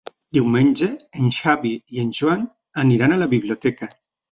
Diumenge en Xavi i en Joan aniran a la biblioteca.